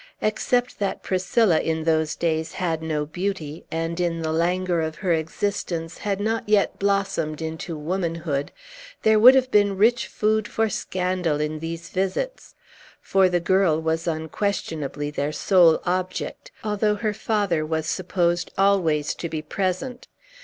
Except that Priscilla, in those days, had no beauty, and, in the languor of her existence, had not yet blossomed into womanhood, there would have been rich food for scandal in these visits; for the girl was unquestionably their sole object, although her father was supposed always to be present.